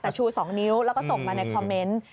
แต่ชู๒นิ้วแล้วก็ส่งมาในคอมเมนต์